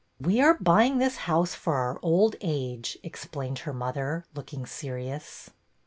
"We are buying this house for our old age," explained her mother, looking serious.